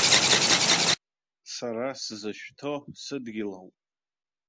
Сара сзышәҭо сыдгьыл ауп.